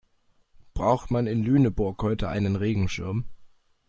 Braucht man in Lüneburg heute einen Regenschirm?